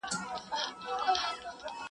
څرنګه به ستر خالق ما د بل په تور نیسي!!